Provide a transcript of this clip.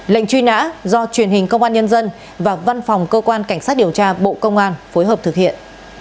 lệnh truy nã do truyền hình công an nhân dân và văn phòng cơ quan cảnh sát điều tra bộ công an phối hợp thực hiện